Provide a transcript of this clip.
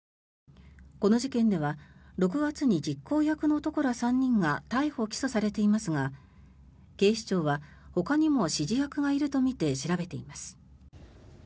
この事件では６月に実行役の男ら３人が逮捕・起訴されていますが警視庁はほかにも指示役がいるとみて調べています。